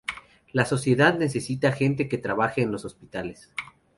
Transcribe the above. La sociedad necesita gente que trabaje en los hospitales.